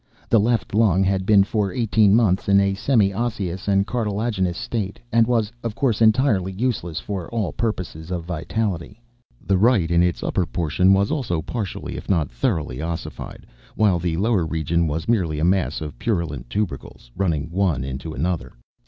The left lung had been for eighteen months in a semi osseous or cartilaginous state, and was, of course, entirely useless for all purposes of vitality. The right, in its upper portion, was also partially, if not thoroughly, ossified, while the lower region was merely a mass of purulent tubercles, running one into another.